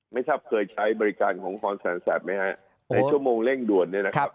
ไม่ทราบเคยใช้บริการของพรแสนสัตว์ไหมฮะในชั่วโมงเร่งด่วนเนี่ยนะครับ